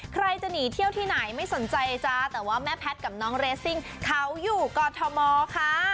ใครจะหนีเที่ยวที่ไหนไม่สนใจจ้าแต่ว่าแม่แพทย์กับน้องเรซิ่งเขาอยู่กอทมค่ะ